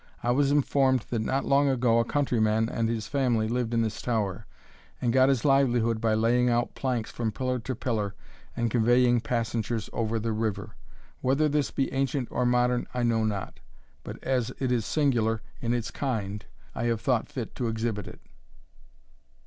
I was informed that not long agro a countryman and his family lived in this tower and got his livelihood by laying out planks from pillar to pillar, and conveying passengers over the river. Whether this be ancient or modern, I know not; but as it is singular in its kind I have thought fit to exhibit it."